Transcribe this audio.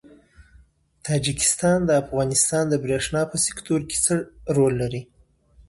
تاجکستان د افغانستان د برښنا په سکتور کي څه رول لري؟